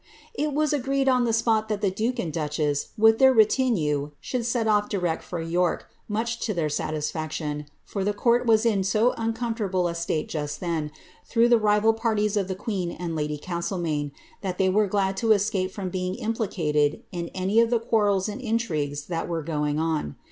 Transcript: It was agreed on the spot that the duke and duchess, with tneir reti nue, should set off direct for York, much to their satisfaction, for the court was in so uncomfortable a state just then, through the rival parties of the queen and lady Castlenuiine, that they were glad to esc^ie from being implicated in any of the quarrels and intrigues that were going oo.